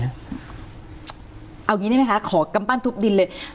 เอาอย่างนี้ได้ไหมคะขอกำปั้นทุบดินเลย